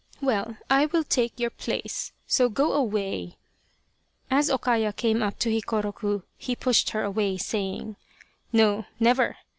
Well I will take your place, so go away !" As O Kaya came up to Hikoroku he pushed her away, saying :" No, never